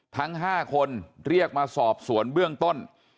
ทั้ง๕คนเรียกมาสอบสวนเบื้องต้น